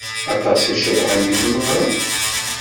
Aṭas i tceḍḥem di tmeɣra.